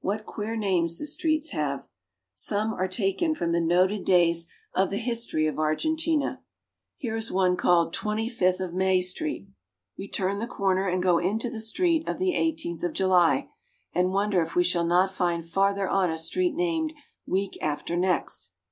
What queer names the streets have ! Some are taken from the noted days of the 86 ARGENTINA. history of Argentina. Here is one called Twenty fifth of May Street. We turn the corner and go into the street of the Eighteenth of July, and wonder if we shall not find farther on a street named " Week after Next."